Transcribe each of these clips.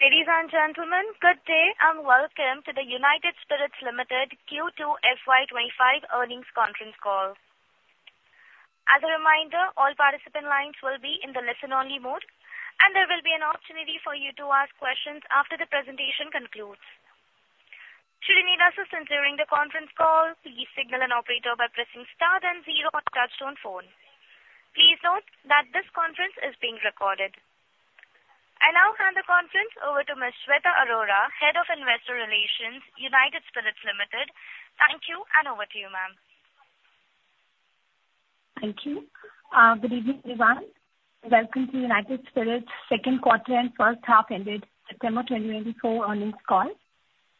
Ladies and gentlemen, good day, and welcome to the United Spirits Limited Q2 FY twenty-five earnings conference call. As a reminder, all participant lines will be in the listen-only mode, and there will be an opportunity for you to ask questions after the presentation concludes. Should you need assistance during the conference call, please signal an operator by pressing star then zero on your touchtone phone. Please note that this conference is being recorded. I now hand the conference over to Ms. Shweta Arora, Head of Investor Relations, United Spirits Limited. Thank you, and over to you, ma'am. Thank you. Good evening, everyone. Welcome to United Spirits second quarter and first half ended September twenty twenty-four earnings call.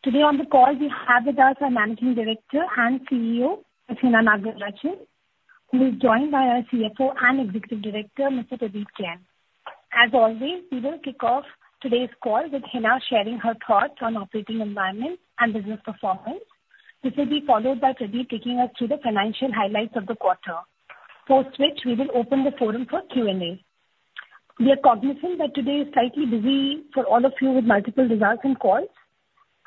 Today on the call, we have with us our Managing Director and CEO, Ms. Hina Nagarajan, who is joined by our CFO and Executive Director, Mr. Pradeep Jain. As always, we will kick off today's call with Hina sharing her thoughts on operating environment and business performance. This will be followed by Pradeep taking us through the financial highlights of the quarter, post which we will open the forum for Q&A. We are cognizant that today is slightly busy for all of you with multiple results and calls.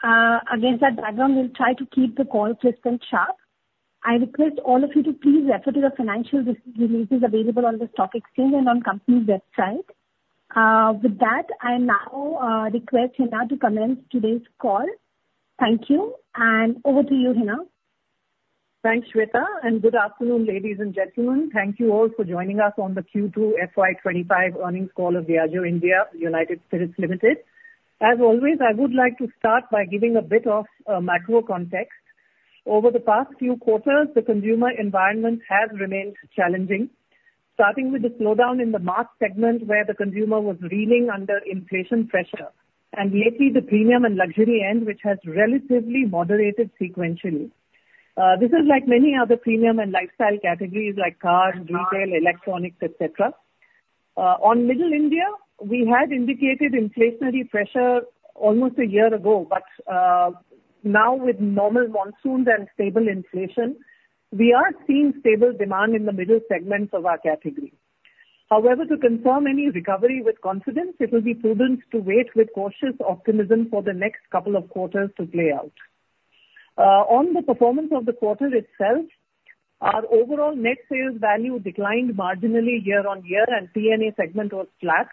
Against that background, we'll try to keep the call crisp and sharp. I request all of you to please refer to the financial releases available on the stock exchange and on company's website. With that, I now request Hina to commence today's call. Thank you, and over to you, Hina. Thanks, Shweta, and good afternoon, ladies and gentlemen. Thank you all for joining us on the Q2 FY twenty-five earnings call of Diageo India, United Spirits Limited. As always, I would like to start by giving a bit of macro context. Over the past few quarters, the consumer environment has remained challenging, starting with the slowdown in the mass segment, where the consumer was reeling under inflation pressure, and lately, the premium and luxury end, which has relatively moderated sequentially. This is like many other premium and lifestyle categories like cars, retail, electronics, et cetera. On middle India, we had indicated inflationary pressure almost a year ago, but now with normal monsoons and stable inflation, we are seeing stable demand in the middle segments of our category. However, to confirm any recovery with confidence, it will be prudent to wait with cautious optimism for the next couple of quarters to play out. On the performance of the quarter itself, our overall net sales value declined marginally year-on-year, and PNA segment was flat,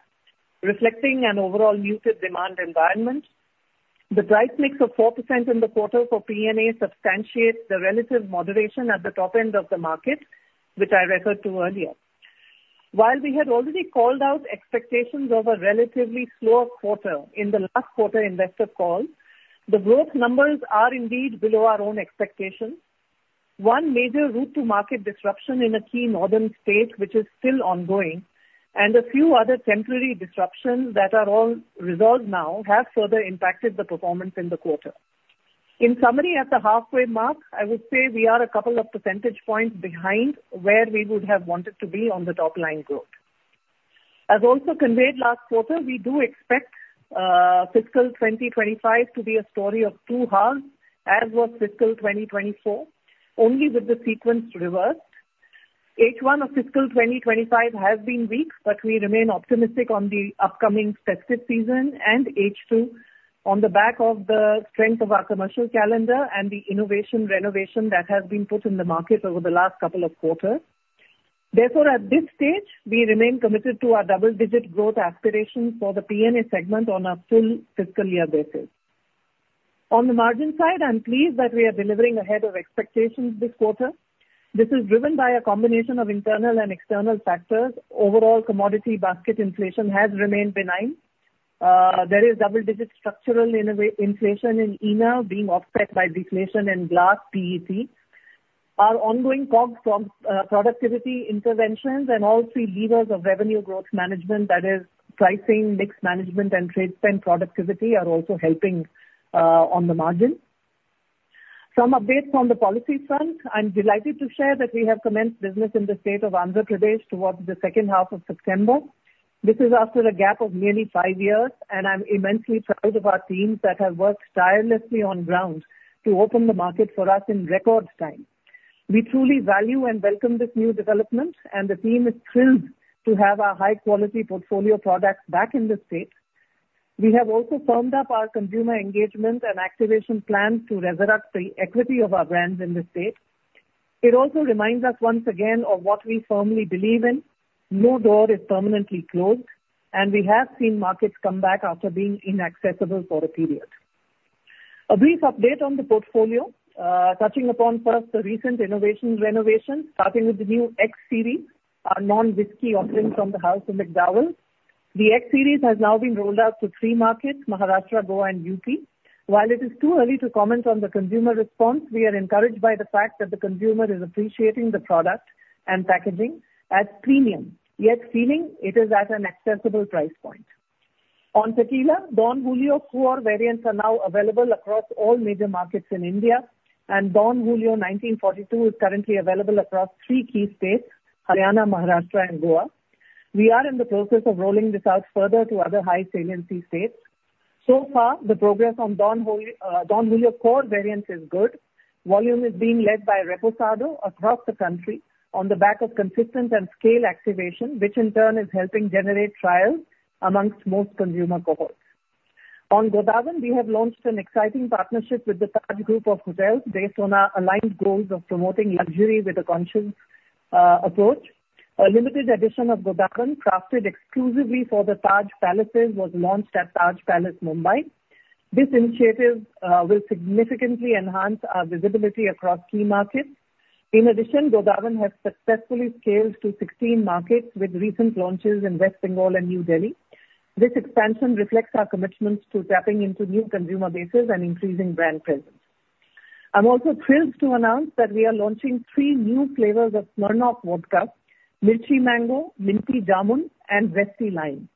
reflecting an overall muted demand environment. The price mix of 4% in the quarter for PNA substantiates the relative moderation at the top end of the market, which I referred to earlier. While we had already called out expectations of a relatively slower quarter in the last quarter investor call, the growth numbers are indeed below our own expectations. One major route to market disruption in a key northern state, which is still ongoing, and a few other temporary disruptions that are all resolved now, have further impacted the performance in the quarter. In summary, at the halfway mark, I would say we are a couple of percentage points behind where we would have wanted to be on the top line growth. As also conveyed last quarter, we do expect, fiscal 2025 to be a story of two halves, as was fiscal 2024, only with the sequence reversed. H1 of fiscal 2025 has been weak, but we remain optimistic on the upcoming festive season and H2 on the back of the strength of our commercial calendar and the innovation renovation that has been put in the market over the last couple of quarters. Therefore, at this stage, we remain committed to our double-digit growth aspirations for the PNA segment on a full fiscal year basis. On the margin side, I'm pleased that we are delivering ahead of expectations this quarter. This is driven by a combination of internal and external factors. Overall, commodity basket inflation has remained benign. There is double-digit structural inflation in ENA, being offset by deflation in glass PET. Our ongoing COGS from productivity interventions and all three levers of revenue growth management, that is pricing, mix management, and trade spend productivity, are also helping on the margin. Some updates from the policy front. I'm delighted to share that we have commenced business in the state of Andhra Pradesh towards the second half of September. This is after a gap of nearly five years, and I'm immensely proud of our teams that have worked tirelessly on ground to open the market for us in record time. We truly value and welcome this new development, and the team is thrilled to have our high-quality portfolio products back in the state. We have also firmed up our consumer engagement and activation plan to resurrect the equity of our brands in the state. It also reminds us once again of what we firmly believe in: No door is permanently closed, and we have seen markets come back after being inaccessible for a period. A brief update on the portfolio. Touching upon first the recent innovation renovation, starting with the new X Series, our non-whiskey offering from the House of McDowell's. The X Series has now been rolled out to three markets: Maharashtra, Goa, and UT. While it is too early to comment on the consumer response, we are encouraged by the fact that the consumer is appreciating the product and packaging as premium, yet feeling it is at an accessible price point. On tequila, Don Julio core variants are now available across all major markets in India, and Don Julio nineteen forty-two is currently available across three key states: Haryana, Maharashtra, and Goa. We are in the process of rolling this out further to other high-salience states. So far, the progress on Don Julio, Don Julio core variants is good. Volume is being led by Reposado across the country on the back of consistent and scale activation, which in turn is helping generate trials among most consumer cohorts. On Godawan, we have launched an exciting partnership with the Taj Group of Hotels based on our aligned goals of promoting luxury with a conscious approach. A limited edition of Godawan, crafted exclusively for the Taj Palaces, was launched at Taj Palace Mumbai. This initiative will significantly enhance our visibility across key markets. In addition, Godawan has successfully scaled to 16 markets, with recent launches in West Bengal and New Delhi. This expansion reflects our commitments to tapping into new consumer bases and increasing brand presence. I'm also thrilled to announce that we are launching three new flavors of Smirnoff Vodka: Mirchi Mango, Minty Jamun, and Zesty Lime.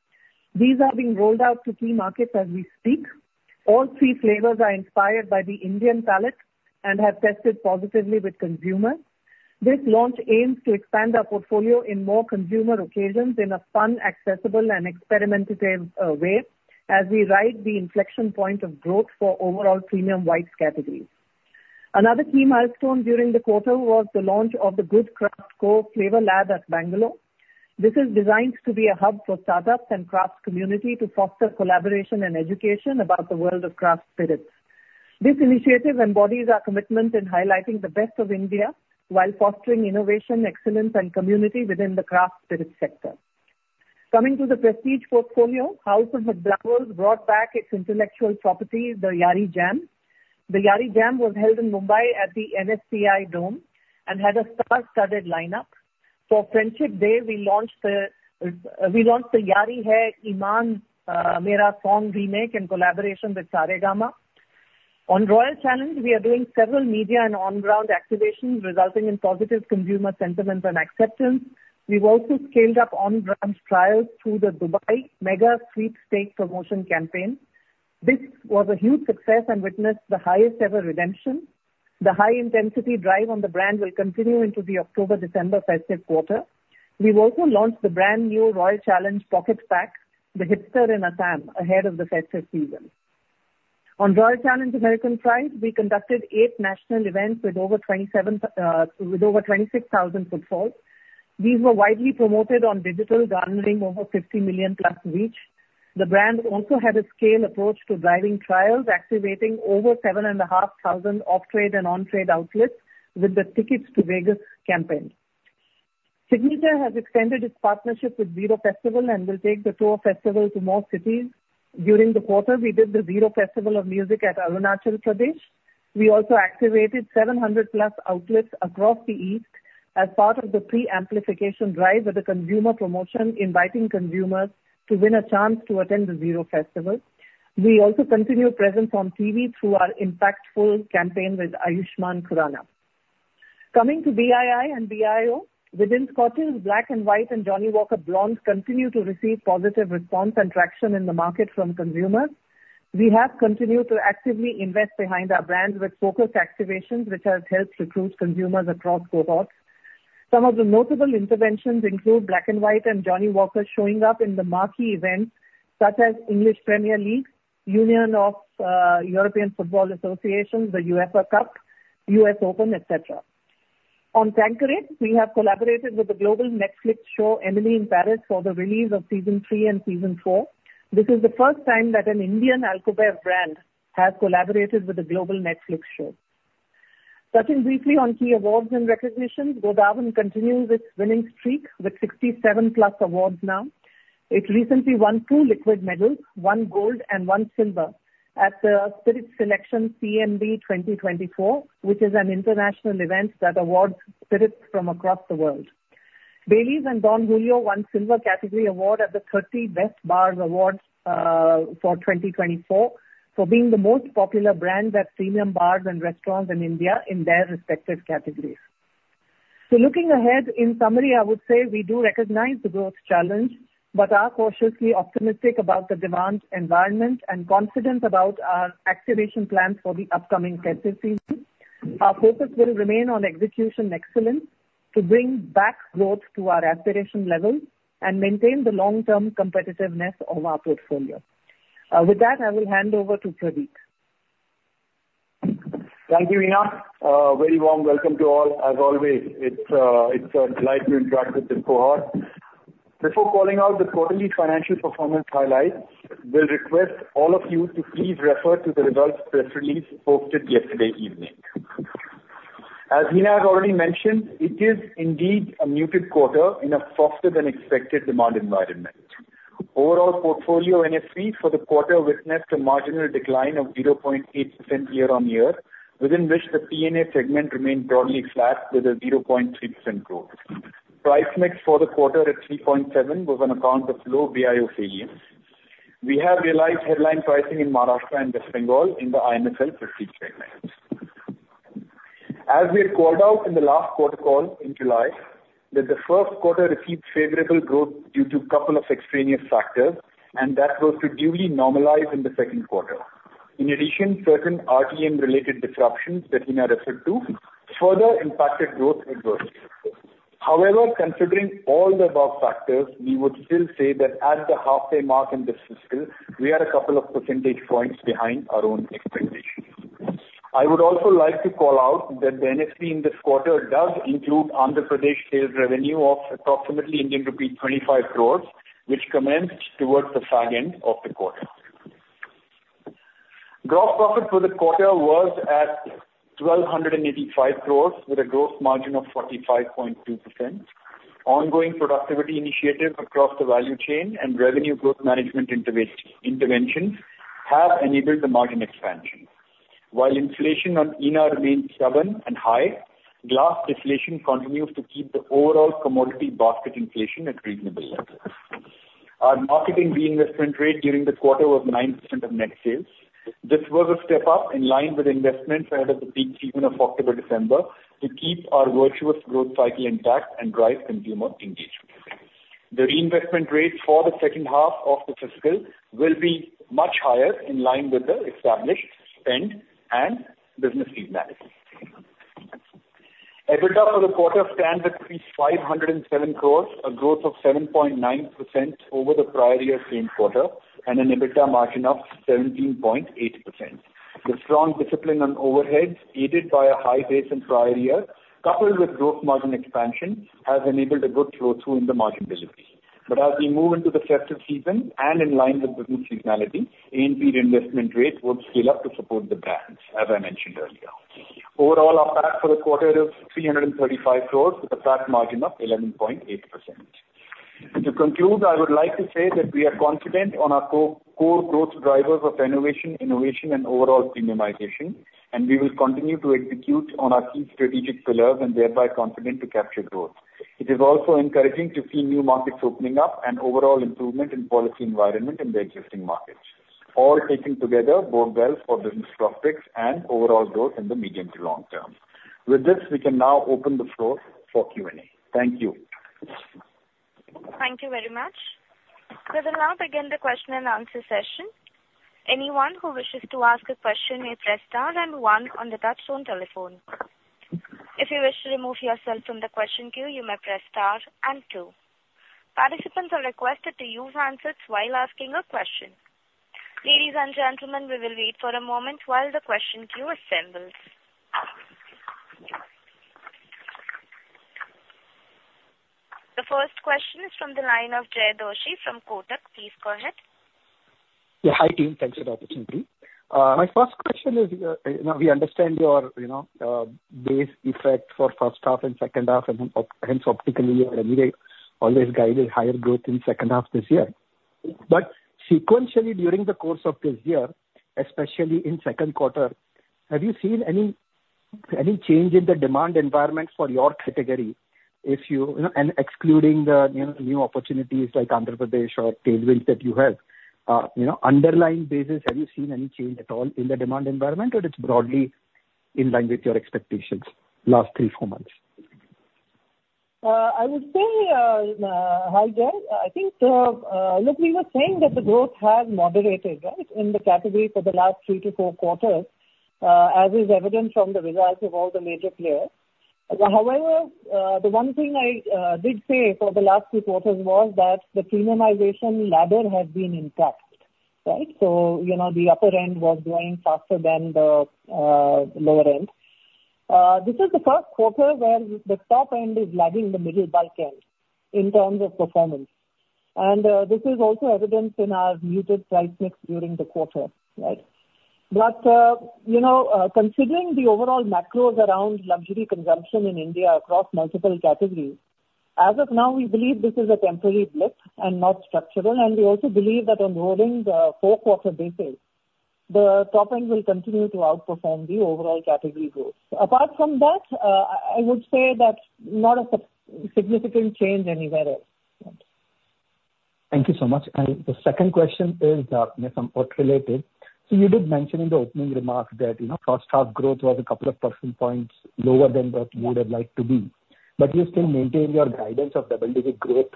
These are being rolled out to key markets as we speak. All three flavors are inspired by the Indian palate and have tested positively with consumers. This launch aims to expand our portfolio in more consumer occasions in a fun, accessible, and experimentative way, as we ride the inflection point of growth for overall premium whites categories. Another key milestone during the quarter was the launch of The Good Craft Co. flavor lab at Bangalore. This is designed to be a hub for startups and craft community to foster collaboration and education about the world of craft spirits. This initiative embodies our commitment in highlighting the best of India, while fostering innovation, excellence, and community within the craft spirit sector. Coming to the prestige portfolio, House of McDowell's brought back its intellectual property, the Yaari Jam. The Yaari Jam was held in Mumbai at the NSCI Dome and had a star-studded lineup. For Friendship Day, we launched the Yaari Hai Imaan Mera song remake in collaboration with Saregama. On Royal Challenge, we are doing several media and on-ground activations, resulting in positive consumer sentiment and acceptance. We've also scaled up on-brand trials through the Dubai Mega Sweepstakes promotion campaign. This was a huge success and witnessed the highest ever redemption. The high intensity drive on the brand will continue into the October-December festive quarter. We've also launched the brand new Royal Challenge pocket pack, the Hipster in Assam, ahead of the festive season. On Royal Challenge American Pride, we conducted eight national events with over twenty-seven, with over twenty-six thousand footfalls. These were widely promoted on digital, garnering over fifty million-plus reach. The brand also had a scale approach to driving trials, activating over seven and a half thousand off-trade and on-trade outlets with the Tickets to Vegas campaign. Signature has extended its partnership with Ziro Festival and will take the tour festival to more cities. During the quarter, we did the Ziro Festival of Music at Arunachal Pradesh. We also activated seven hundred plus outlets across the east as part of the pre-amplification drive with a consumer promotion, inviting consumers to win a chance to attend the Ziro Festival. We also continue presence on TV through our impactful campaign with Ayushmann Khurrana. Coming to BII and BIO, within Scotches, Black & White and Johnnie Walker Blonde continue to receive positive response and traction in the market from consumers. We have continued to actively invest behind our brands with focused activations, which has helped recruit consumers across cohorts. Some of the notable interventions include Black & White and Johnnie Walker showing up in the marquee events such as English Premier League, Union of European Football Associations, the UEFA Cup, US Open, et cetera. On Tanqueray, we have collaborated with the global Netflix show, Emily in Paris, for the release of Season three and Season four. This is the first time that an Indian alcohol brand has collaborated with a global Netflix show. Touching briefly on key awards and recognitions, Godawan continues its winning streak with 67+ awards now. It recently won two liquid medals, one gold and one silver, at the Spirits Selection CMB 2024, which is an international event that awards spirits from across the world. Baileys and Don Julio won Silver Category Award at the 30 Best Bars Awards for 2024, for being the most popular brands at premium bars and restaurants in India in their respective categories. So looking ahead, in summary, I would say we do recognize the growth challenge, but are cautiously optimistic about the demand environment and confident about our activation plans for the upcoming festive season. Our focus will remain on execution excellence to bring back growth to our aspiration level and maintain the long-term competitiveness of our portfolio. With that, I will hand over to Pradeep. Thank you, Hina. Very warm welcome to all. As always, it's a delight to interact with this cohort. Before calling out the quarterly financial performance highlights, we'll request all of you to please refer to the results press release posted yesterday evening. As Hina has already mentioned, it is indeed a muted quarter in a softer-than-expected demand environment. Overall portfolio NSV for the quarter witnessed a marginal decline of 0.8% year-on-year, within which the PNA segment remained broadly flat with a 0.3% growth. Price mix for the quarter at 3.7%, was on account of low BIO volume. We have realized headline pricing in Maharashtra and West Bengal in the IMFL prestige segment. As we had called out in the last quarter call in July, that the first quarter received favorable growth due to couple of extraneous factors, and that was to duly normalize in the second quarter. In addition, certain RTM-related disruptions that Hina referred to further impacted growth adversely. However, considering all the above factors, we would still say that at the halfway mark in this fiscal, we are a couple of percentage points behind our own expectations. I would also like to call out that the net income this quarter does include Andhra Pradesh sales revenue of approximately Indian rupees 25 crores, which commenced towards the second end of the quarter. Gross profit for the quarter was at 1,285 crores, with a gross margin of 45.2%. Ongoing productivity initiatives across the value chain and revenue growth management interventions have enabled the margin expansion. While inflation on ENA remains stubborn and high, glass deflation continues to keep the overall commodity basket inflation at reasonable levels. Our marketing reinvestment rate during the quarter was 9% of net sales. This was a step up in line with investments ahead of the peak season of October-December, to keep our virtuous growth cycle intact and drive consumer engagement. The reinvestment rate for the second half of the fiscal will be much higher, in line with the established spend and business feedback. EBITDA for the quarter stands at 507 crores, a growth of 7.9% over the prior year same quarter, and an EBITDA margin of 17.8%. The strong discipline on overheads, aided by a high base in prior year, coupled with growth margin expansion, has enabled a good flow through in the margin delivery. But as we move into the festive season, and in line with the new seasonality, A&P investment rate would scale up to support the brands, as I mentioned earlier. Overall, our tax for the quarter is 335 crores, with a tax margin of 11.8%. To conclude, I would like to say that we are confident on our core growth drivers of renovation, innovation and overall premiumization, and we will continue to execute on our key strategic pillars and thereby confident to capture growth. It is also encouraging to see new markets opening up and overall improvement in policy environment in the existing markets. All taken together bode well for business prospects and overall growth in the medium to long term. With this, we can now open the floor for Q&A. Thank you. Thank you very much. We will now begin the question and answer session. Anyone who wishes to ask a question may press star and one on the touch-tone telephone. If you wish to remove yourself from the question queue, you may press star and two. Participants are requested to use handsets while asking a question. Ladies and gentlemen, we will wait for a moment while the question queue assembles. The first question is from the line of Jay Doshi from Kotak. Please go ahead. Yeah. Hi, team. Thanks for the opportunity. My first question is, you know, we understand your, you know, base effect for first half and second half, and then hence optically, you always guided higher growth in second half this year. But sequentially, during the course of this year, especially in second quarter, have you seen any change in the demand environment for your category? If you, you know, and excluding the, you know, new opportunities like Andhra Pradesh or tailwinds that you have. You know, underlying basis, have you seen any change at all in the demand environment, or it's broadly in line with your expectations, last three, four months? I would say, hi, Jay. I think, look, we were saying that the growth has moderated, right? In the category for the last three to four quarters, as is evident from the results of all the major players. However, the one thing I did say for the last two quarters was that the premiumization ladder has been intact, right? So, you know, the upper end was growing faster than the lower end. This is the first quarter where the top end is lagging the mid-end, in terms of performance, and this is also evident in our muted price mix during the quarter, right? You know, considering the overall macros around luxury consumption in India across multiple categories, as of now, we believe this is a temporary blip and not structural, and we also believe that on rolling the four quarter basis, the top end will continue to outperform the overall category growth. Apart from that, I would say that not a significant change anywhere else. Thank you so much. And the second question is, somewhat related. So you did mention in the opening remarks that, you know, first half growth was a couple of percentage points lower than what you would have liked to be, but you still maintain your guidance of double-digit growth,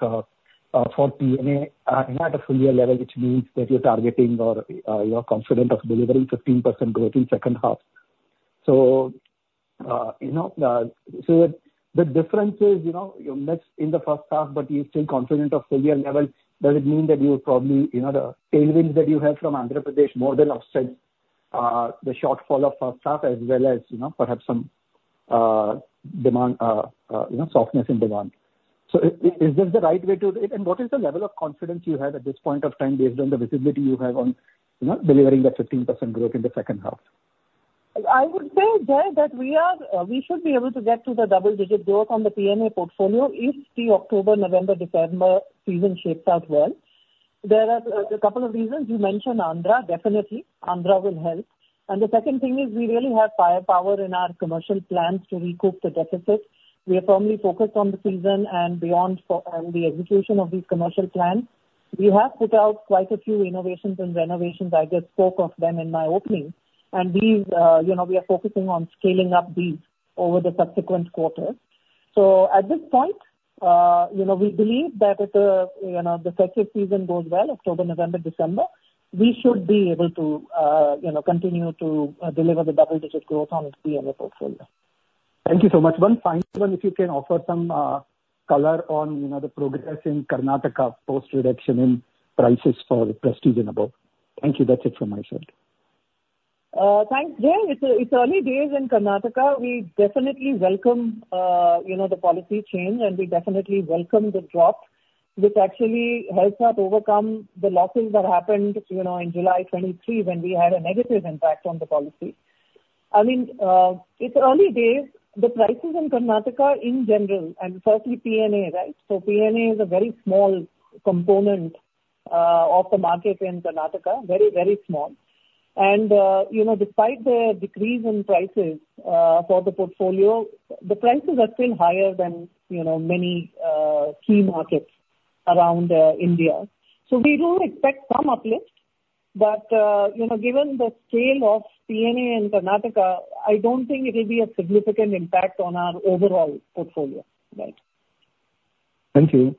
for PNA, at a full year level, which means that you're targeting or, you're confident of delivering 15% growth in second half. So, you know, so the difference is, you know, you're less in the first half, but you're still confident of full year level. Does it mean that you're probably, you know, the tailwinds that you have from Andhra Pradesh more than offset, the shortfall of first half as well as, you know, perhaps some, demand, you know, softness in demand? What is the level of confidence you have at this point of time, based on the visibility you have on, you know, delivering the 15% growth in the second half? I would say, Jay, that we are, we should be able to get to the double digit growth on the PNA portfolio if the October, November, December season shapes out well. There are, a couple of reasons. You mentioned Andhra. Definitely, Andhra will help. And the second thing is we really have firepower in our commercial plans to recoup the deficit. We are firmly focused on the season and beyond for, the execution of these commercial plans. We have put out quite a few innovations and renovations, I just spoke of them in my opening, and these, you know, we are focusing on scaling up these over the subsequent quarters. So at this point, you know, we believe that if, you know, the festive season goes well, October, November, December-... We should be able to, you know, continue to deliver the double-digit growth on the PNA portfolio. Thank you so much. One final, if you can offer some color on, you know, the progress in Karnataka post reduction in prices for prestige and above. Thank you. That's it from my side. Thanks. Yeah, it's early days in Karnataka. We definitely welcome, you know, the policy change, and we definitely welcome the drop, which actually helps us overcome the losses that happened, you know, in July 2023, when we had a negative impact on the policy. I mean, it's early days. The prices in Karnataka in general, and firstly PNA, right? So PNA is a very small component of the market in Karnataka, very, very small. And, you know, despite the decrease in prices for the portfolio, the prices are still higher than, you know, many key markets around India. So we do expect some uplift, but, you know, given the scale of PNA in Karnataka, I don't think it will be a significant impact on our overall portfolio. Right. Thank you.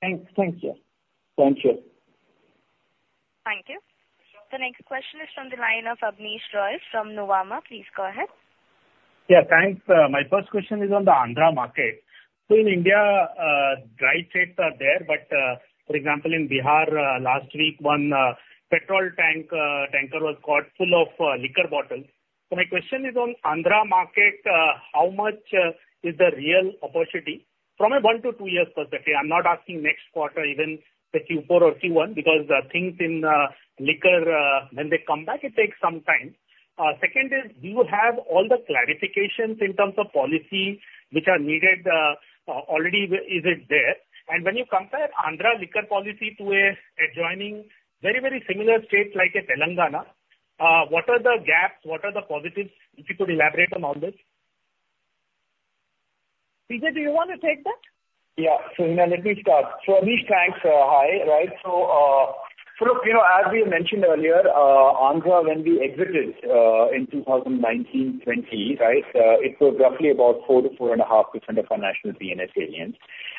Thanks. Thank you. Thank you. Thank you. The next question is from the line of Abneesh Roy from Nuvama. Please go ahead. Yeah, thanks. My first question is on the Andhra market. So in India, dry states are there, but, for example, in Bihar, last week, one petrol tank tanker was caught full of liquor bottles. So my question is on Andhra market, how much is the real opportunity from a one to two years perspective? I'm not asking next quarter, even the Q4 or Q1, because the things in liquor, when they come back, it takes some time. Second is, do you have all the clarifications in terms of policy which are needed, already is it there? And when you compare Andhra liquor policy to a adjoining very, very similar state, like a Telangana, what are the gaps? What are the positives? If you could elaborate on all this. PJ, do you want to take that? Yeah. So Hina, let me start. So Abneesh, thanks. Hi. Right. So, so look, you know, as we mentioned earlier, Andhra, when we exited, in two thousand nineteen, twenty, right, it was roughly about 4-4.5% of our national PNA salience.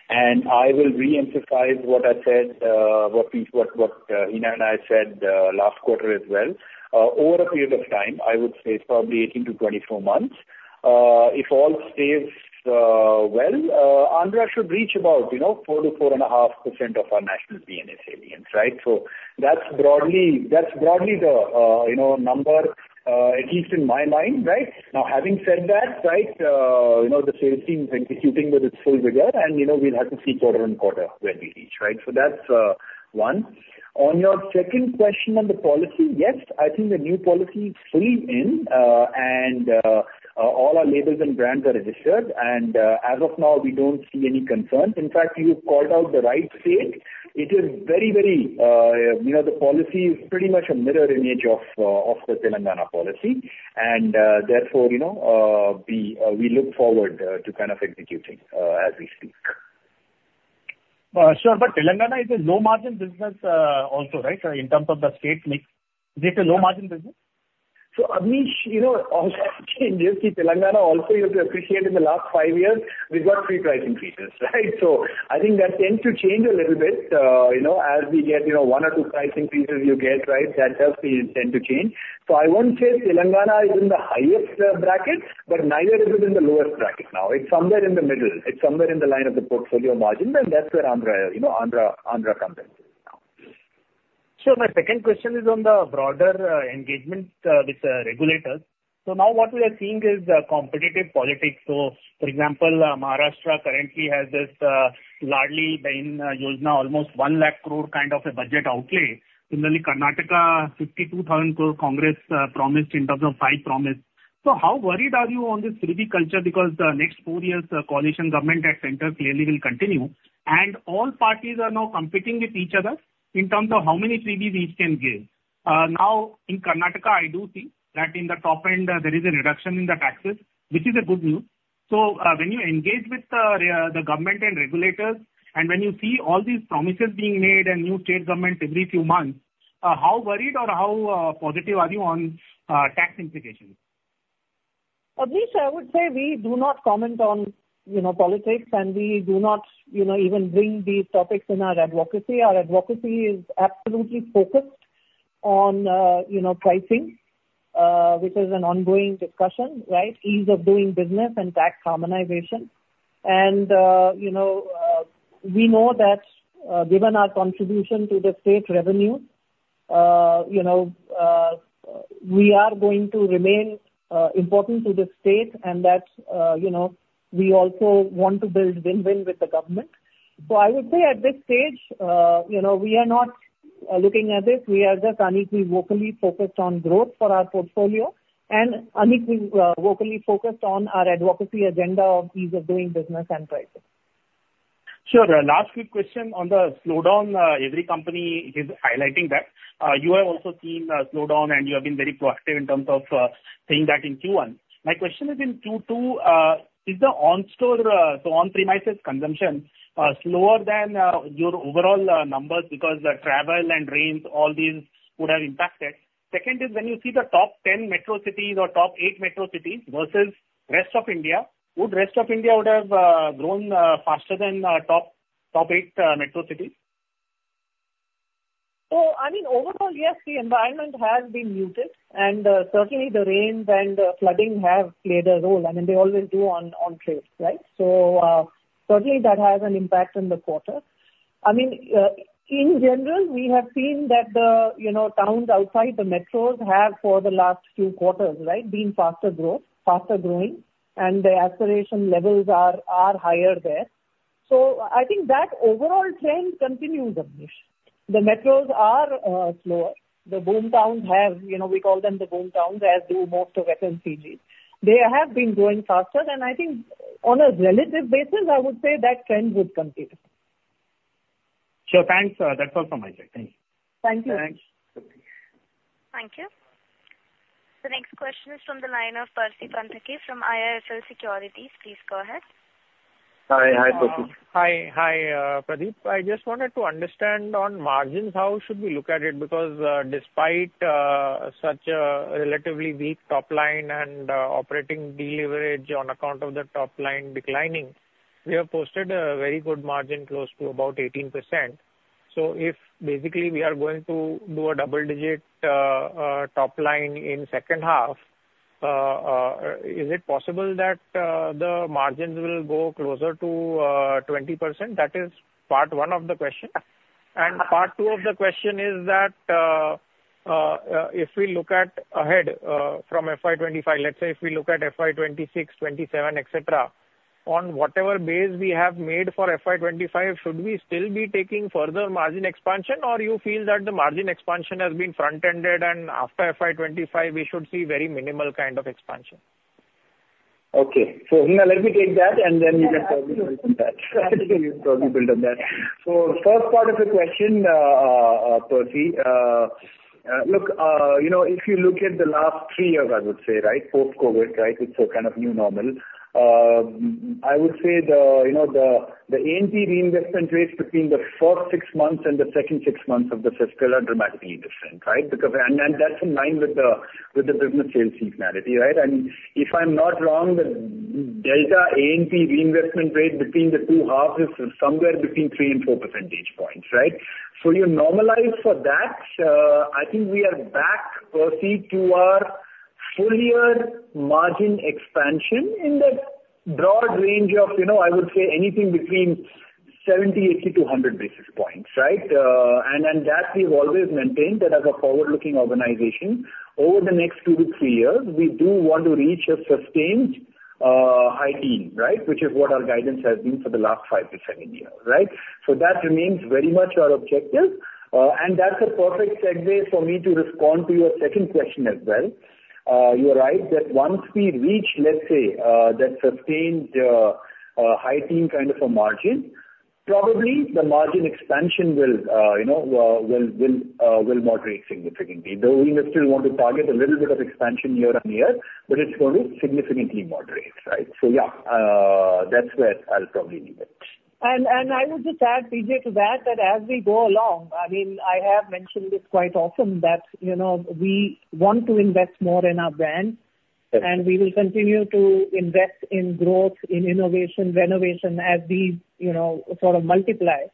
And I will reemphasize what I said, what we, Hina and I said, last quarter as well. Over a period of time, I would say it's probably 18-24 months, if all stays, well, Andhra should reach about, you know, 4-4.5% of our national PNA salience, right? So that's broadly the, you know, number, at least in my mind, right? Now, having said that, right, you know, the sales team is executing with its full rigor, and, you know, we'll have to see quarter and quarter where we reach, right? So that's one. On your second question on the policy, yes, I think the new policy is fully in, and all our labels and brands are registered, and, as of now, we don't see any concerns. In fact, you called out the right state. It is very, very, you know, the policy is pretty much a mirror image of, of the Telangana policy. And, therefore, you know, we look forward to kind of executing, as we speak. Sure. But Telangana is a low-margin business, also, right? In terms of the state mix, is it a low-margin business? So Abneesh, you know, Telangana also, you have to appreciate in the last five years, we've got free pricing features, right? So I think that tends to change a little bit, you know, as we get, you know, one or two pricing features you get, right, that helps the intent to change. So I won't say Telangana is in the highest bracket, but neither is it in the lowest bracket now. It's somewhere in the middle. It's somewhere in the line of the portfolio margin, and that's where Andhra, you know, comes into it now. So my second question is on the broader engagement with the regulators. So now what we are seeing is the competitive politics. So for example, Maharashtra currently has this Ladli Behna Yojana, almost one lakh crore kind of a budget outlay. Similarly, Karnataka, sixty-two thousand crore, Congress promised in terms of five promises. So how worried are you on this freebie culture? Because the next four years, coalition government at center clearly will continue, and all parties are now competing with each other in terms of how many freebies each can give. Now, in Karnataka, I do see that in the top end, there is a reduction in the taxes, which is a good news. When you engage with the government and regulators, and when you see all these promises being made and new state government every few months, how worried or how positive are you on tax implications? Abneesh, I would say we do not comment on, you know, politics, and we do not, you know, even bring these topics in our advocacy. Our advocacy is absolutely focused on, you know, pricing, which is an ongoing discussion, right? Ease of doing business and tax harmonization, and you know, we know that, given our contribution to the state revenue, you know, we are going to remain important to the state and that, you know, we also want to build win-win with the government. So I would say at this stage, you know, we are not looking at it. We are just uniquely, vocally focused on growth for our portfolio and uniquely, vocally focused on our advocacy agenda of ease of doing business and pricing. Sure. Last quick question on the slowdown. Every company is highlighting that. You have also seen a slowdown, and you have been very proactive in terms of seeing that in Q1. My question is in Q2, is the on-premises consumption slower than your overall numbers because the travel and rains, all these would have impacted? Second is when you see the top ten metro cities or top eight metro cities versus rest of India, would rest of India have grown faster than top eight metro cities? So I mean, overall, yes, the environment has been muted, and, certainly the rains and flooding have played a role. I mean, they always do on trades, right? So, certainly that has an impact on the quarter. I mean, in general, we have seen that the, you know, towns outside the metros have for the last few quarters, right, been faster growth, faster growing, and the aspiration levels are higher there. So I think that overall trend continues, Amish. The metros are, slower. The boomtowns have, you know, we call them the boomtowns, as they move to. They have been growing faster, and I think on a relative basis, I would say that trend would continue. Sure, thanks. That's all from my side. Thank you. Thank you. Thanks. Thank you. The next question is from the line of Percy Panthaki from IIFL Securities. Please go ahead. Hi, hi, Percy. Hi, Pradeep. I just wanted to understand on margins, how should we look at it? Because, despite such a relatively weak top line and, operating leverage on account of the top line declining, we have posted a very good margin, close to about 18%. So if basically we are going to do a double digit top line in second half, is it possible that the margins will go closer to 20%? That is part one of the question. And part two of the question is that, if we look at ahead from FY 2025, let's say if we look at FY 2026, 2027, et cetera, on whatever base we have made for FY 2025, should we still be taking further margin expansion? Or you feel that the margin expansion has been front-ended and after FY 2025, we should see very minimal kind of expansion? Okay, so you know, let me take that, and then we can probably build on that. So first part of the question, Percy, look, you know, if you look at the last three years, I would say, right, post-COVID, right, it's a kind of new normal. I would say, you know, the A&P reinvestment rates between the first six months and the second six months of the fiscal are dramatically different, right? Because... And that's in line with the business sales seasonality, right? And if I'm not wrong, the delta A&P reinvestment rate between the two halves is somewhere between three and four percentage points, right? So you normalize for that. I think we are back, Percy, to our full year margin expansion in the broad range of, you know, I would say anything between 70-80 to 100 basis points, right? And that we've always maintained that as a forward-looking organization. Over the next two-three years, we do want to reach a sustained, high teens, right? Which is what our guidance has been for the last five-seven years, right? So that remains very much our objective. And that's a perfect segue for me to respond to your second question as well. You are right that once we reach, let's say, that sustained high teens kind of a margin, probably the margin expansion will, you know, moderate significantly, though we will still want to target a little bit of expansion year on year, but it's going to significantly moderate, right? So, yeah, that's where I'll probably leave it. I would just add, PJ, to that, that as we go along. I mean, I have mentioned this quite often, that, you know, we want to invest more in our brand- Yes. - and we will continue to invest in growth, in innovation, renovation, as we, you know, sort of multiply.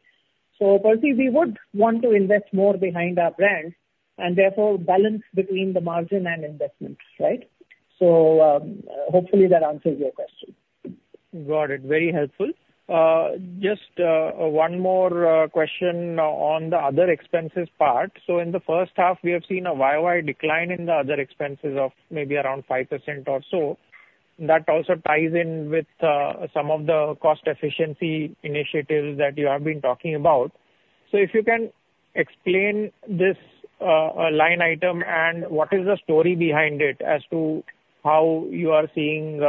So Percy, we would want to invest more behind our brands and therefore balance between the margin and investments, right? So, hopefully that answers your question. Got it. Very helpful. Just one more question on the other expenses part. So in the first half, we have seen a 5% decline in the other expenses of maybe around 5% or so. That also ties in with some of the cost efficiency initiatives that you have been talking about. So if you can explain this line item and what is the story behind it as to how you are seeing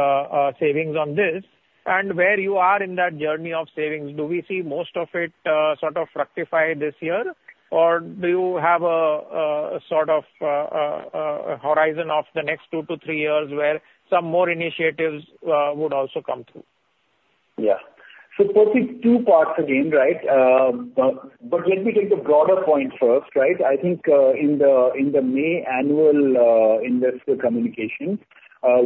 savings on this, and where you are in that journey of savings. Do we see most of it sort of rectify this year, or do you have a sort of horizon of the next two to three years, where some more initiatives would also come through? Yeah. So Percy, two parts again, right? But let me take the broader point first, right? I think in the May annual investor communication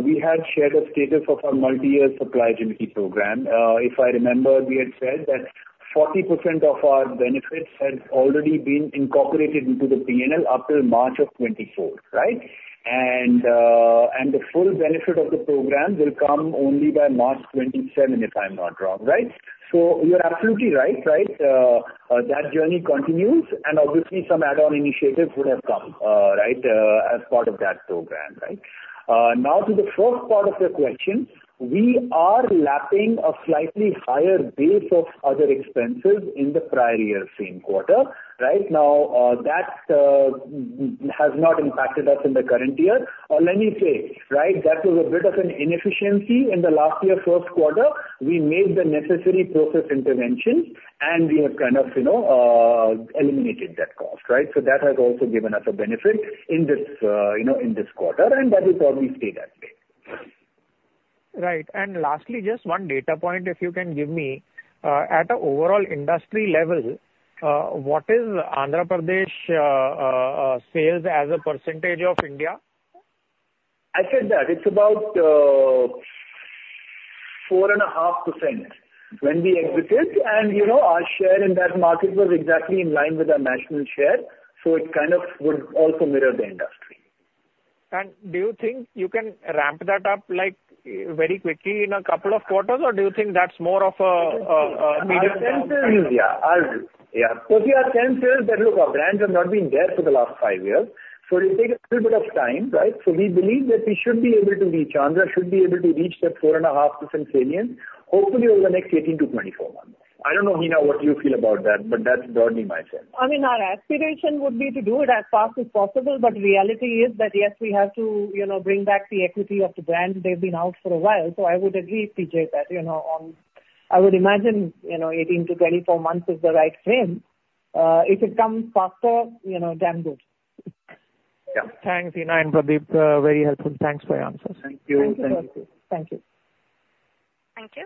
we had shared a status of our multi-year supply agility program. If I remember, we had said that 40% of our benefits had already been incorporated into the PNL up till March of 2024, right? The full benefit of the program will come only by March 2027, if I'm not wrong, right? So you're absolutely right, right. That journey continues, and obviously some add-on initiatives would have come as part of that program, right? Now, to the first part of your question, we are lapping a slightly higher base of other expenses in the prior year, same quarter. Right now, that has not impacted us in the current year. Let me say, right, that was a bit of an inefficiency in the last year, first quarter. We made the necessary process interventions, and we have kind of, you know, eliminated that cost, right? So that has also given us a benefit in this, you know, in this quarter, and that will probably stay that way. ... Right. And lastly, just one data point, if you can give me, at an overall industry level, what is Andhra Pradesh sales as a percentage of India? I said that it's about 4.5% when we exited, and, you know, our share in that market was exactly in line with our national share, so it kind of would also mirror the industry. And do you think you can ramp that up, like, very quickly in a couple of quarters, or do you think that's more of a medium-term thing? Yeah. Yeah. So we are confident that, look, our brands have not been there for the last five years, so it'll take a little bit of time, right? So we believe that we should be able to reach. Andhra should be able to reach that 4.5% share, hopefully over the next 18-24 months. I don't know, Hina, what you feel about that, but that's broadly my sense. I mean, our aspiration would be to do it as fast as possible, but reality is that, yes, we have to, you know, bring back the equity of the brands. They've been out for a while, so I would agree, PJ, that, you know, I would imagine, you know, eighteen to twenty-four months is the right frame. If it comes faster, you know, damn good. Yeah. Thanks, Hina and Pradeep. Very helpful. Thanks for your answers. Thank you. Thank you. Thank you. Thank you.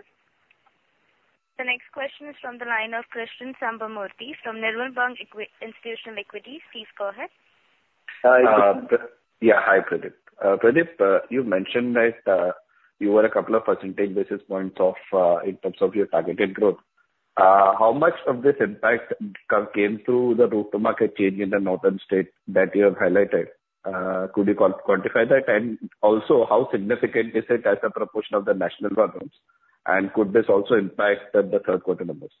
The next question is from the line of Krishnan Sambamoorthy from Nirmal Bang Institutional Equity. Please go ahead. Hi. Yeah, hi, Pradeep. Pradeep, you've mentioned that you were a couple of basis points off in terms of your targeted growth. How much of this impact came through the route to market change in the northern state that you have highlighted? Could you quantify that? And also, how significant is it as a proportion of the national volumes, and could this also impact the third quarter numbers?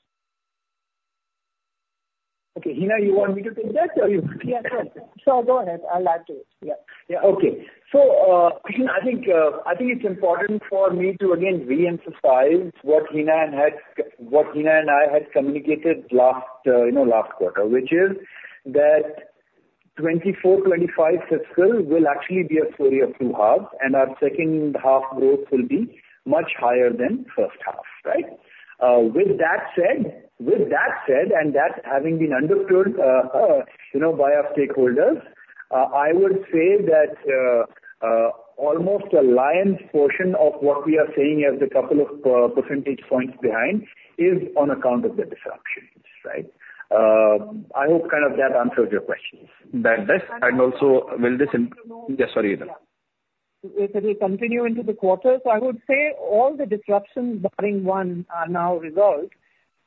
Okay, Hina, you want me to take that, or you? Yeah. Sure. So go ahead. I'll add to it. Yeah. Yeah, okay. So, Christian, I think it's important for me to again reemphasize what Hina had, what Hina and I had communicated last, you know, last quarter, which is that twenty-four, twenty-five fiscal will actually be a story of two halves, and our second half growth will be much higher than first half, right? With that said, and that having been understood, you know, by our stakeholders, I would say that almost a lion's portion of what we are saying as a couple of percentage points behind is on account of the disruptions, right? I hope kind of that answers your questions. Yeah, sorry, Hina. If it will continue into the quarter, so I would say all the disruptions barring one are now resolved,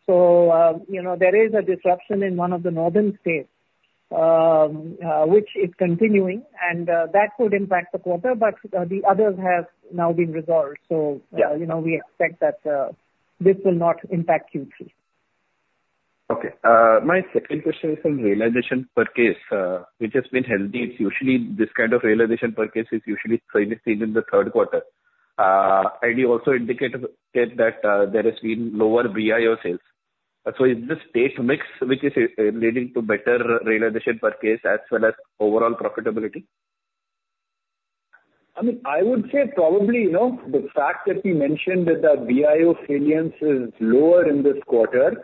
so you know, there is a disruption in one of the northern states, which is continuing, and that could impact the quarter, but the others have now been resolved. So- Yeah. You know, we expect that this will not impact Q3. Okay, my second question is on realization per case, which has been healthy. It's usually this kind of realization per case is usually kind of seen in the third quarter. And you also indicated that there has been lower BIO sales. So is this state mix which is leading to better realization per case as well as overall profitability? I mean, I would say probably, you know, the fact that we mentioned that the BIO salience is lower in this quarter.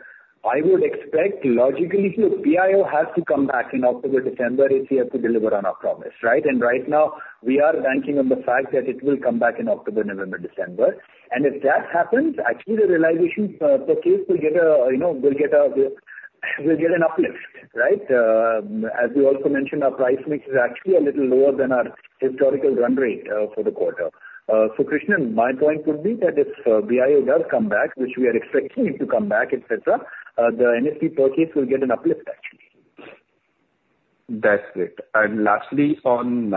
I would expect logically your BIO has to come back in October, December, if we are to deliver on our promise, right? And right now, we are banking on the fact that it will come back in October, November, December. And if that happens, actually the realization per case will get an uplift, you know, right? As we also mentioned, our price mix is actually a little lower than our historical run rate for the quarter. So Christian, my point would be that if BIO does come back, which we are expecting it to come back, et cetera, the NSP per case will get an uplift, actually. That's it. And lastly, on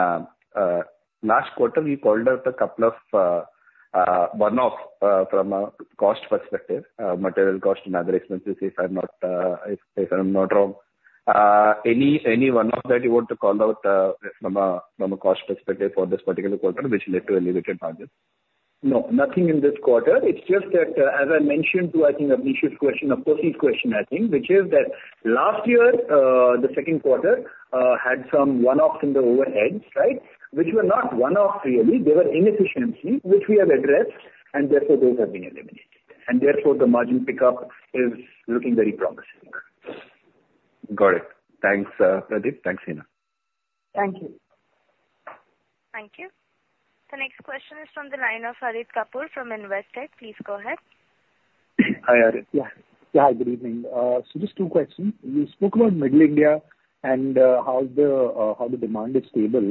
last quarter, we called out a couple of one-off from a cost perspective, material cost and other expenses, if I'm not wrong. Any one-off that you want to call out from a cost perspective for this particular quarter, which led to elevated margins? No, nothing in this quarter. It's just that, as I mentioned to, I think, Abneesh's question, or Percy's question, I think, which is that last year, the second quarter, had some one-offs in the overheads, right? Which were not one-offs, really. They were inefficiencies, which we have addressed, and therefore those have been eliminated, and therefore, the margin pickup is looking very promising. Got it. Thanks, Pradeep. Thanks, Hina. Thank you. Thank you. The next question is from the line of Harit Kapoor from Investec. Please go ahead. Hi, Harit. Yeah. Yeah, good evening. So just two questions. You spoke about middle India and, how the demand is stable.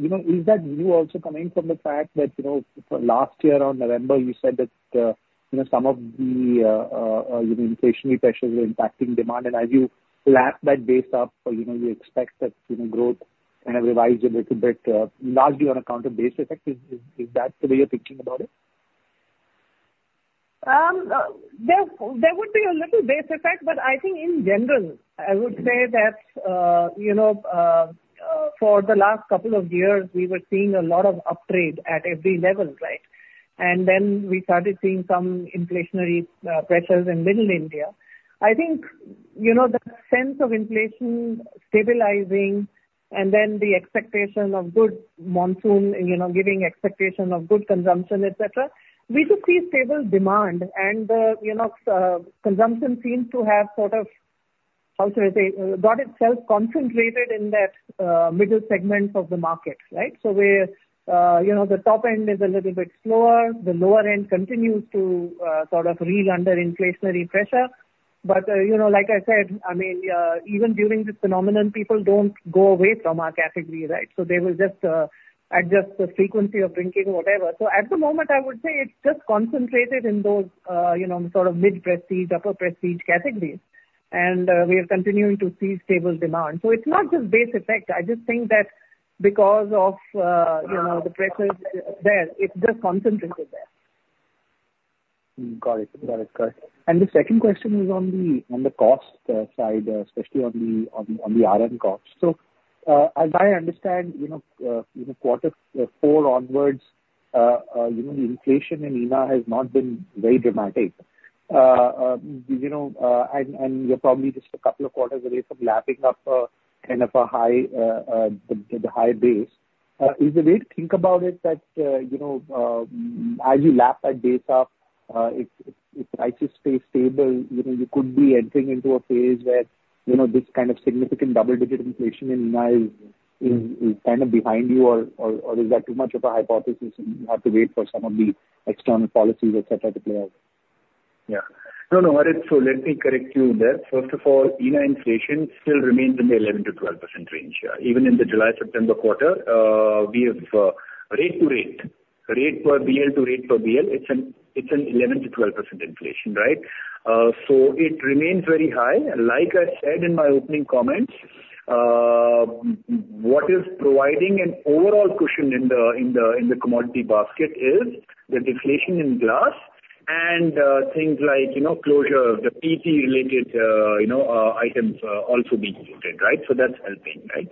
You know, is that view also coming from the fact that, you know, for last year around November, you said that, you know, some of the inflationary pressures were impacting demand, and as you lap that base up, you know, you expect that, you know, growth kind of revise a little bit, largely on account of base effect. Is that the way you're thinking about it? There would be a little base effect, but I think in general, I would say that, you know, for the last couple of years, we were seeing a lot of upgrade at every level, right? And then we started seeing some inflationary pressures in middle India. I think, you know, the sense of inflation stabilizing and then the expectation of good monsoon, you know, giving expectation of good consumption, et cetera, we could see stable demand and, you know, consumption seems to have sort of got itself concentrated in that middle segment of the market, right? So we're, you know, the top end is a little bit slower, the lower end continues to sort of reel under inflationary pressure. But, you know, like I said, I mean, even during this phenomenon, people don't go away from our category, right? So they will just adjust the frequency of drinking or whatever. So at the moment, I would say it's just concentrated in those, you know, sort of mid-prestige, upper prestige categories. And, we are continuing to see stable demand. So it's not just base effect. I just think that because of, you know, the pressure there, it's just concentrated there. Got it. Got it. And the second question is on the cost side, especially on the RM costs. So, as I understand, you know, in the quarter four onwards, you know, and you're probably just a couple of quarters away from lapping up kind of a high, the high base. Is the way to think about it that, you know, as you lap that base up, it's if prices stay stable, you know, you could be entering into a phase where, you know, this kind of significant double-digit inflation in ENA is kind of behind you, or is that too much of a hypothesis, and you have to wait for some of the external policies, et cetera, to play out? Yeah. No, no, Harit, so let me correct you there. First of all, ENA inflation still remains in the 11-12% range. Yeah. Even in the July-September quarter, we have rate to rate, rate per BL to rate per BL, it's an 11-12% inflation, right? So it remains very high. Like I said in my opening comments, what is providing an overall cushion in the commodity basket is the deflation in glass and things like, you know, closure of the PET-related items also being depleted, right? So that's helping, right?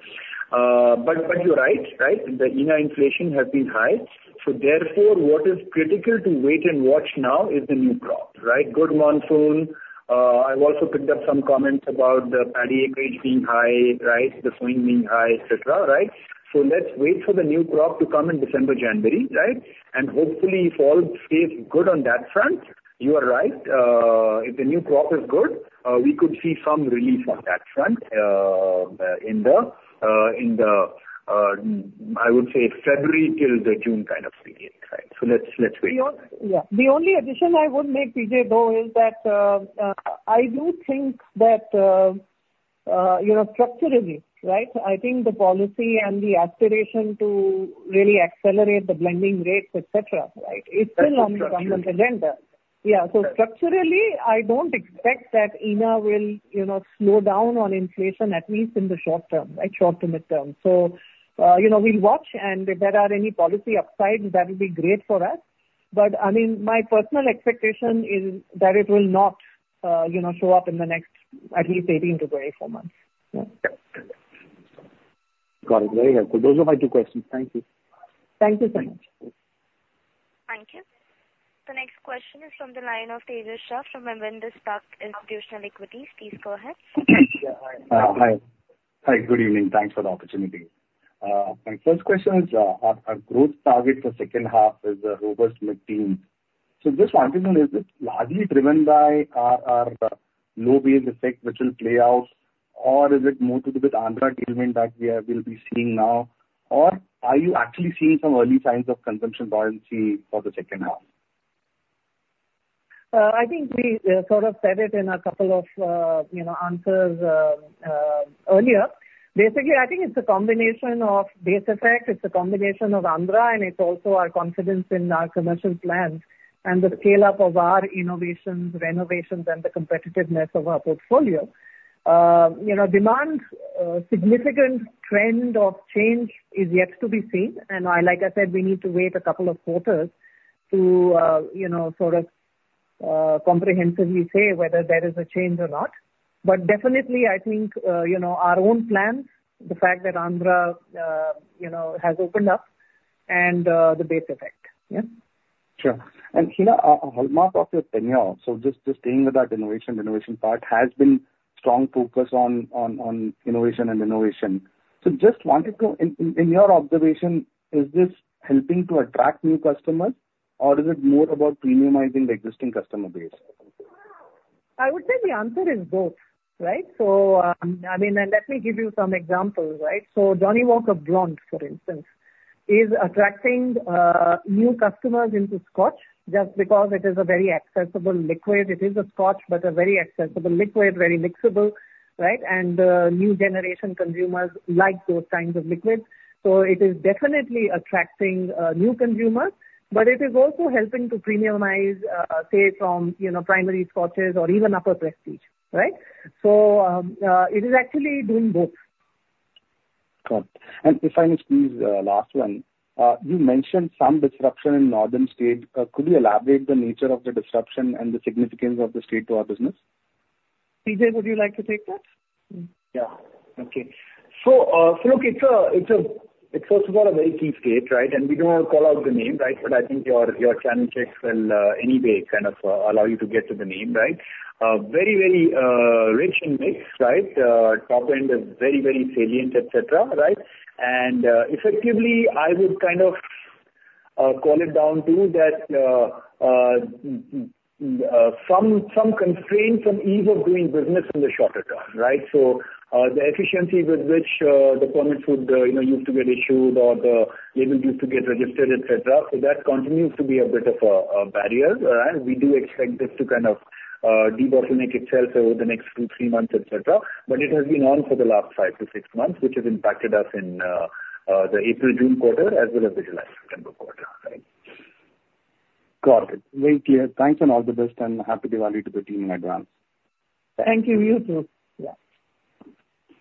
But you're right, right? The ENA inflation has been high, so therefore, what is critical to wait and watch now is the new crop, right? Good monsoon. I've also picked up some comments about the paddy acreage being high, right, the sowing being high, et cetera, right? So let's wait for the new crop to come in December, January, right? And hopefully, if all stays good on that front, you are right. If the new crop is good, we could see some relief on that front in the, I would say, February till the June kind of period, right? So let's wait. The only addition I would make, PJ, though, is that, I do think that, you know, structurally, right, I think the policy and the aspiration to really accelerate the blending rates, et cetera, right? That's true. It's still on the government agenda. Yeah. Right. So structurally, I don't expect that ENA will, you know, slow down on inflation, at least in the short term, like short to midterm. So, you know, we'll watch, and if there are any policy upsides, that would be great for us. But, I mean, my personal expectation is that it will not, you know, show up in the next at least eighteen to twenty-four months. Yeah. Got it. Very helpful. Those are my two questions. Thank you. Thank you so much. Thank you. The next question is from the line of Tejash Shah from Avendus Spark. Please go ahead. Yeah. Hi. Hi, good evening. Thanks for the opportunity. My first question is, our growth target for second half is robust mid-teen. So just wondering, is it largely driven by our low base effect which will play out, or is it more to do with Andhra agreement that we'll be seeing now, or are you actually seeing some early signs of consumption buoyancy for the second half? I think we sort of said it in a couple of you know answers earlier. Basically, I think it's a combination of base effect, it's a combination of Andhra, and it's also our confidence in our commercial plans and the scale-up of our innovations, renovations, and the competitiveness of our portfolio. You know, demand, significant trend of change is yet to be seen, and like I said, we need to wait a couple of quarters to you know sort of comprehensively say whether there is a change or not. But definitely, I think you know our own plans, the fact that Andhra you know has opened up, and the base effect. Yeah. Sure. And, Hina, a hallmark of your tenure, so just staying with that innovation part, has been strong focus on innovation. So just wanted to know, in your observation, is this helping to attract new customers, or is it more about premiumizing the existing customer base? I would say the answer is both, right? So, I mean, and let me give you some examples, right? So Johnnie Walker Blonde, for instance, is attracting new customers into Scotch, just because it is a very accessible liquid. It is a Scotch, but a very accessible liquid, very mixable, right? And new generation consumers like those kinds of liquids. So it is definitely attracting new consumers, but it is also helping to premiumize, say, from, you know, primary Scotches or even upper prestige, right? So it is actually doing both. Got it. And if I may squeeze, last one. You mentioned some disruption in northern state. Could you elaborate the nature of the disruption and the significance of the state to our business? PJ, would you like to take that? Yeah. Okay. So, so look, it's also got a very key state, right? And we don't want to call out the name, right, but I think your channel checks will anyway kind of allow you to get to the name, right? Very, very rich in mix, right? Top end is very, very salient, et cetera, right? And effectively, I would kind of-... call it down to that, some constraint from ease of doing business in the shorter term, right? So, the efficiency with which the permits would, you know, used to get issued or the labels used to get registered, et cetera, so that continues to be a bit of a barrier. And we do expect this to kind of debottleneck itself over the next two, three months, et cetera. But it has been on for the last five to six months, which has impacted us in the April/June quarter as well as the July/September quarter, right. Got it. Very clear. Thanks, and all the best, and happy Diwali to the team in advance. Thank you. You, too.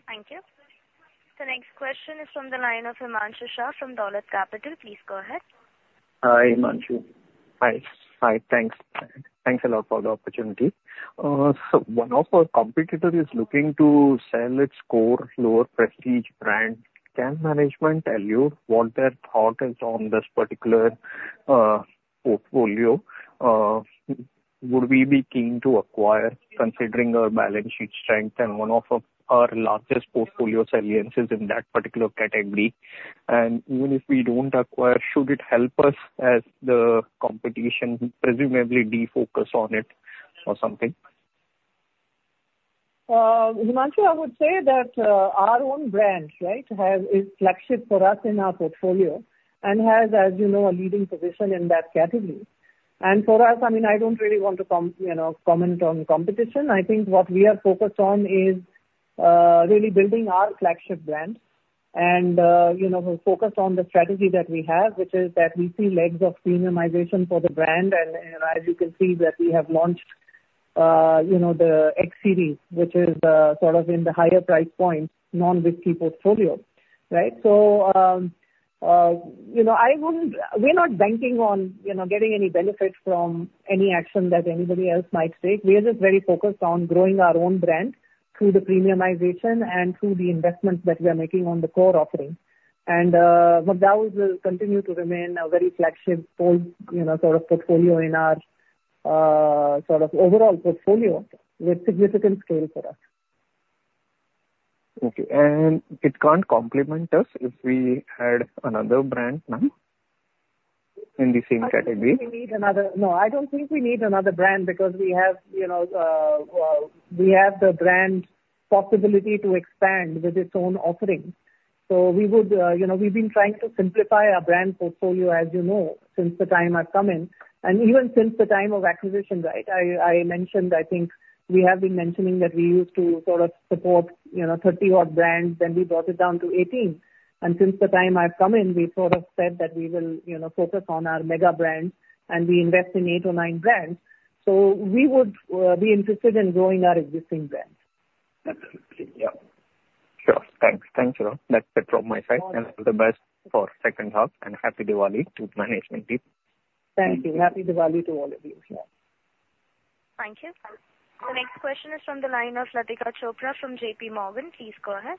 Yeah. Thank you. The next question is from the line of Himanshu Shah from Dolat Capital. Please go ahead. Hi, Himanshu. Hi. Hi, thanks. Thanks a lot for the opportunity. So one of our competitor is looking to sell its core lower prestige brand. Can management tell you what their thought is on this particular portfolio? Would we be keen to acquire, considering our balance sheet strength and one of our largest portfolio saliences in that particular category? And even if we don't acquire, should it help us as the competition presumably defocus on it or something? Himanshu, I would say that, our own brands, right, have, is flagship for us in our portfolio and has, as you know, a leading position in that category. And for us, I mean, I don't really want to com- you know, comment on competition. I think what we are focused on is, really building our flagship brand and, you know, we're focused on the strategy that we have, which is that we see legs of premiumization for the brand. And, and as you can see that we have launched, you know, the X series, which is, sort of in the higher price point non-whiskey portfolio, right? So, you know, I wouldn't-- We're not banking on, you know, getting any benefit from any action that anybody else might take. We are just very focused on growing our own brand through the premiumization and through the investments that we are making on the core offering, and Godawan will continue to remain a very flagship part, you know, sort of portfolio in our, sort of overall portfolio with significant scale for us. Okay. And it can't complement us if we add another brand, ma'am, in the same category? No, I don't think we need another brand because we have, you know, we have the brand possibility to expand with its own offerings. So we would, you know, we've been trying to simplify our brand portfolio, as you know, since the time I've come in, and even since the time of acquisition, right? I mentioned, I think we have been mentioning that we used to sort of support, you know, 30-odd brands, then we brought it down to 18. And since the time I've come in, we sort of said that we will, you know, focus on our mega brands, and we invest in eight or nine brands, so we would be interested in growing our existing brands. Absolutely. Yeah. Sure. Thanks. Thanks, you know. That's it from my side- Got it. And all the best for second half, and Happy Diwali to the management team. Thank you. Happy Diwali to all of you. Yeah. Thank you. The next question is from the line of Latika Chopra from J.P. Morgan. Please go ahead.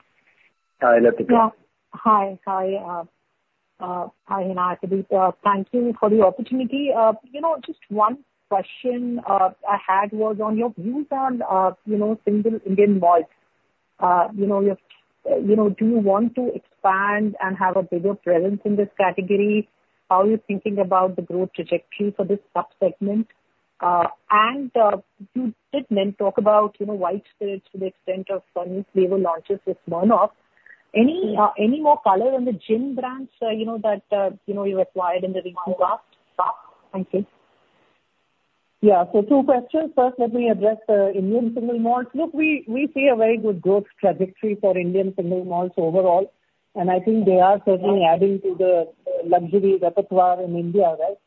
Hi, Latika. Yeah. Hi, Hina. Thank you for the opportunity. You know, just one question, I had was on your views on, you know, single Indian malts. You know, if, you know, do you want to expand and have a bigger presence in this category? How are you thinking about the growth trajectory for this sub-segment? And, you did then talk about, you know, white spirits to the extent of some new flavor launches with Smirnoff. Any, any more color on the gin brands, you know, that, you know, you acquired in the recent past? Thank you. Yeah. So two questions. First, let me address the Indian single malts. Look, we see a very good growth trajectory for Indian single malts overall, and I think they are certainly adding to the luxury repertoire in India, right?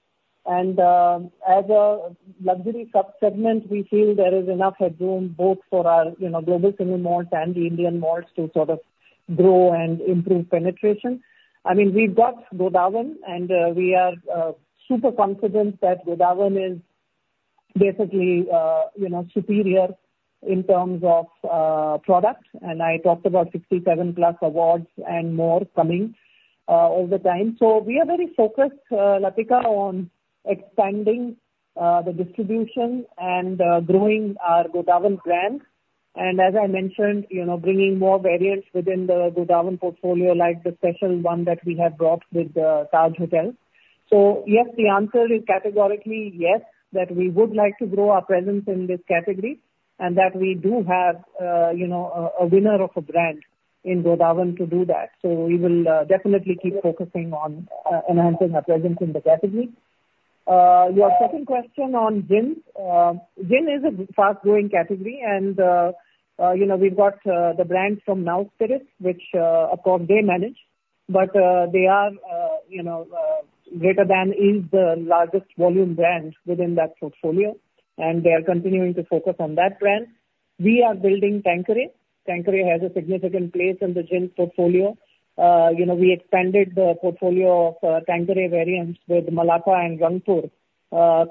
And, as a luxury sub-segment, we feel there is enough headroom both for our, you know, global single malts and the Indian malts to sort of grow and improve penetration. I mean, we've got Godawan, and, we are super confident that Godawan is basically, you know, superior in terms of product. And I talked about 67 plus awards and more coming all the time. So we are very focused, Latika, on expanding the distribution and growing our Godawan brand. And as I mentioned, you know, bringing more variants within the Godawan portfolio, like the special one that we have brought with the Taj Hotel. So yes, the answer is categorically yes, that we would like to grow our presence in this category, and that we do have, you know, a winner of a brand in Godawan to do that. So we will definitely keep focusing on enhancing our presence in the category. Your second question on gin. Gin is a fast-growing category, and, you know, we've got the brand from Nao Spirits, which upon they manage, but they are, you know, Greater Than is the largest volume brand within that portfolio, and they are continuing to focus on that brand. We are building Tanqueray. Tanqueray has a significant place in the gin portfolio. You know, we expanded the portfolio of Tanqueray variants with Malacca and Rangpur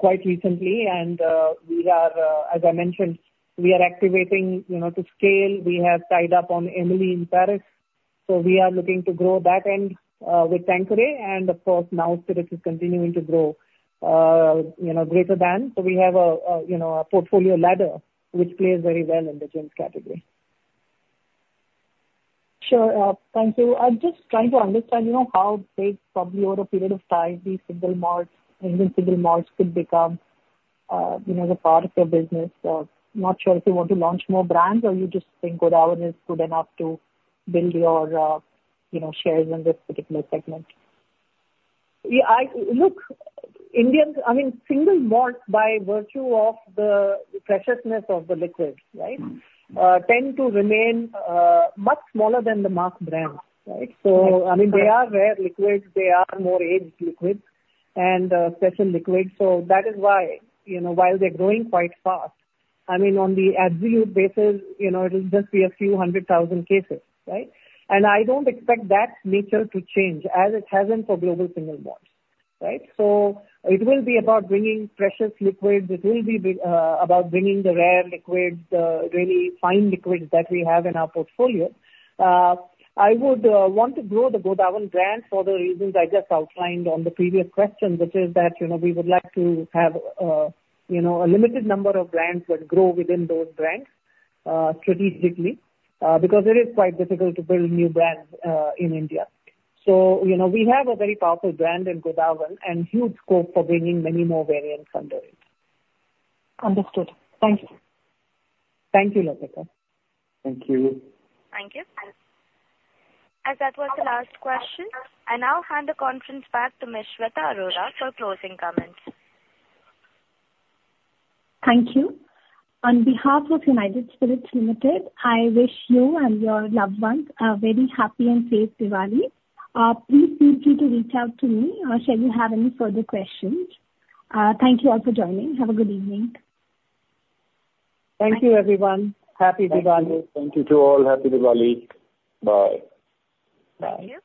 quite recently, and we are, as I mentioned, we are activating, you know, to scale. We have tied up on Emily in Paris, so we are looking to grow that end with Tanqueray. And of course, now Nao Spirits is continuing to grow, you know, Greater Than. So we have a, you know, a portfolio ladder, which plays very well in the gins category. ... Sure, thank you. I'm just trying to understand, you know, how big probably over a period of time, these single malts, Indian single malts could become, you know, the part of your business. Not sure if you want to launch more brands, or you just think Godawan is good enough to build your, you know, shares in this particular segment? Yeah, look, Indian single malts, by virtue of the preciousness of the liquids, right? They tend to remain much smaller than the mass brands, right? So, I mean, they are rare liquids, they are more aged liquids and special liquids, so that is why, you know, while they're growing quite fast, I mean, on the absolute basis, you know, it will just be a few hundred thousand cases, right? And I don't expect that nature to change as it hasn't for global single malts, right? So it will be about bringing precious liquids. It will be about bringing the rare liquids, the really fine liquids that we have in our portfolio. I would want to grow the Godawan brand for the reasons I just outlined on the previous question, which is that, you know, we would like to have, you know, a limited number of brands that grow within those brands, strategically, because it is quite difficult to build new brands in India. So, you know, we have a very powerful brand in Godawan and huge scope for bringing many more variants under it. Understood. Thank you. Thank you, Latika. Thank you. Thank you. As that was the last question, I now hand the conference back to Miss Shweta Arora for closing comments. Thank you. On behalf of United Spirits Limited, I wish you and your loved ones a very happy and safe Diwali. Please feel free to reach out to me, shall you have any further questions. Thank you all for joining. Have a good evening. Thank you, everyone. Happy Diwali! Thank you. Thank you to all. Happy Diwali. Bye. Bye. Thank you.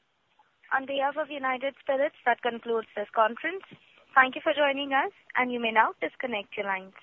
On behalf of United Spirits, that concludes this conference. Thank you for joining us, and you may now disconnect your lines.